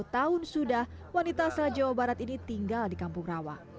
tiga puluh tahun sudah wanita sejauh barat ini tinggal di kampung rawa